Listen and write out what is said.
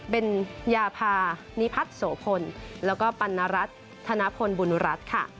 เป็นยาพานิพัฒน์โสพลแล้วก็ปัณรัฐธนพลบุญรัฐค่ะ